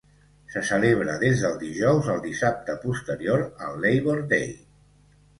Se celebra des del dijous al dissabte posteriors al Labor day.